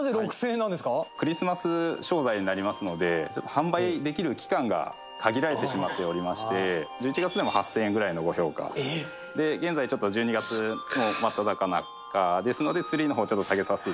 「クリスマス商材になりますので販売できる期間が限られてしまっておりまして１１月でも８０００円ぐらいのご評価で現在ちょっと１２月真っただ中ですのでツリーの方ちょっと下げさせて頂いて」